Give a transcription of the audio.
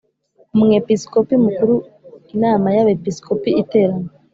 Umwepisikopi Mukuru Inama y Abepiskopi iterana